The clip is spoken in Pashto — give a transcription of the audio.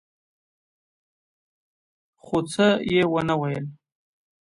خو څه يې ونه ويل.